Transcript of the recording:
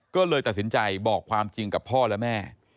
ก็เลยตัดสินใจบอกความจริงกับพ่อและแม่